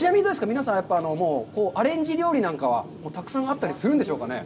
皆さんはアレンジ料理なんかはたくさんあったりするんでしょうかね？